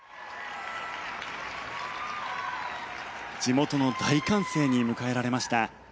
地元の大歓声に迎えられました。